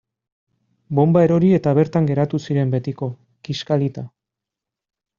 Bonba erori eta bertan geratu ziren betiko, kiskalita.